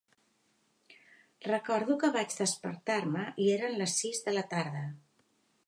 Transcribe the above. Recordo que vaig despertar-me i eren les sis de la tarda.